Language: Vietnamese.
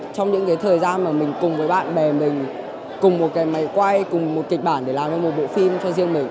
trong những thời gian mà mình cùng với bạn bè mình cùng một cái máy quay cùng một kịch bản để làm cho một bộ phim cho riêng mình